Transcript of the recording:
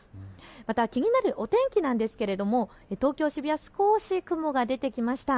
また気になるお天気なんですが東京渋谷、少し雲が出てきました。